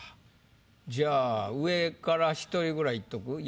じゃあ上から１人ぐらいいっとく？